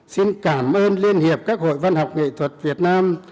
xin cảm ơn liên hiệp các hội văn học nghệ thuật việt nam